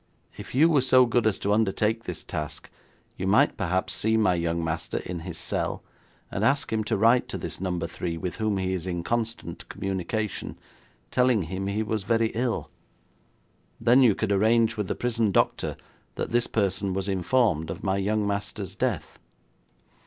If you were so good as to undertake this task you might perhaps see my young master in his cell, and ask him to write to this Number Three with whom he is in constant communication, telling him he was very ill. Then you could arrange with the prison doctor that this person was informed of my young master's death.'